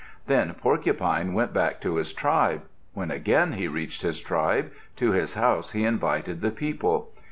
Then Porcupine went back to his tribe. When again he reached his tribe, to his house he invited the people.